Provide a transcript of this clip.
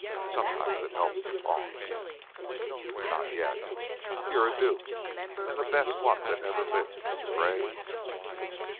Sometimes it helps, to talk." "N not yet." "You're a duke, an' the best one that ever lived, Mr. Gray.